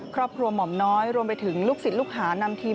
ครอบครัวหม่อมน้อยรวมไปถึงลูกสิทธิ์ลูกหานำทีม